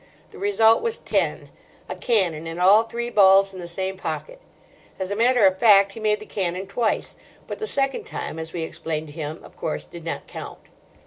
The result was ten: a cannon and all three balls in the same pocket. As a matter of fact he made the cannon twice; but the second time, as we explained to him, of course did not count.